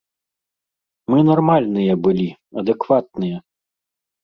Мы нармальныя былі, адэкватныя.